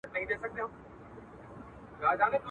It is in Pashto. په زړه سخت لکه د غرونو ځناور وو.